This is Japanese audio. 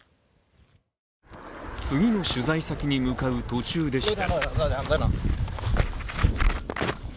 次の取材先に向かう途中でした。